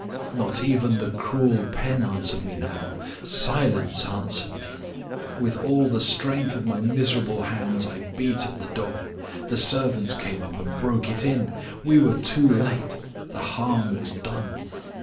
Not even the cruel pen answered me now: silence answered me. With all the strength of my miserable hands I beat at the door. The servants came up and broke it in. We were too late; the harm was done.